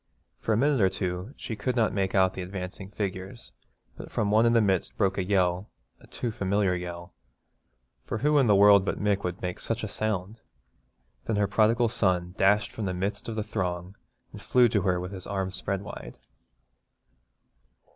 For a minute or two she could not make out the advancing figures, but from one in the midst broke a yell, a too familiar yell, for who in the world but Mick could make such a sound? Then her prodigal son dashed from the midst of the throng and flew to her with his arms spread wide.